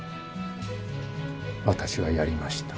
「私がやりました」